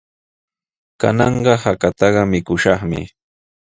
Kananqa hakata mikushaqmi.